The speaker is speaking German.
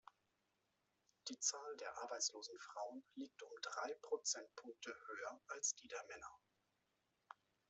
Die Zahl der arbeitslosen Frauen liegt um drei Prozentpunkte höher als die der Männer.